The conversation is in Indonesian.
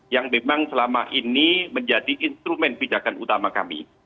yang memang selama ini menjadi instrumen pijakan utama kami